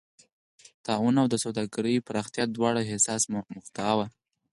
طاعون او د سوداګرۍ پراختیا دواړه حساسه مقطعه وه.